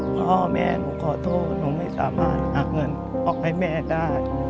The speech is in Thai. พ่อแม่หนูขอโทษหนูไม่สามารถหักเงินออกให้แม่ได้